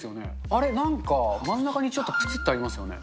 あれなんか、真ん中にちょっとぷつっとありますよね。